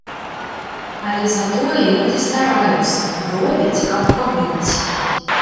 Але затое людзі стараюцца, робяць, каб пабыць.